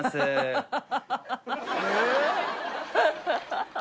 ハハハハハ。